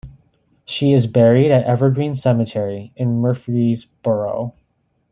She is buried at Evergreen Cemetery in Murfreesboro.